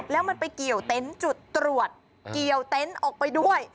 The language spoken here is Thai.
แล้วมันไปเกี่ยวเต็นต์จุดตรวจเกี่ยวเต็นต์ออกไปด้วย